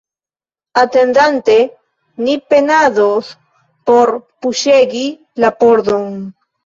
Atendante, ni penados por puŝegi la pordon.